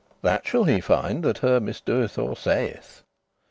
That shall he find, that her misdoth or saith.